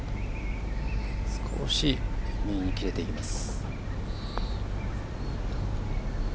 少し右に切れていきます。